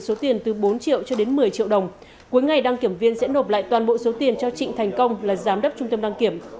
số tiền từ bốn triệu cho đến một mươi triệu đồng cuối ngày đăng kiểm viên sẽ nộp lại toàn bộ số tiền cho trịnh thành công là giám đốc trung tâm đăng kiểm